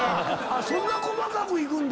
そんな細かくいくんだ。